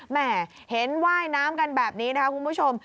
แห่เห็นว่ายน้ำกันแบบนี้นะคะคุณผู้ชม